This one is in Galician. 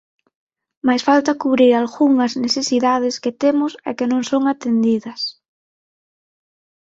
Mais falta cubrir algunhas necesidades que temos e que non son atendidas.